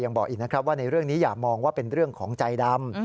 บอกอีกนะครับว่าในเรื่องนี้อย่ามองว่าเป็นเรื่องของใจดำ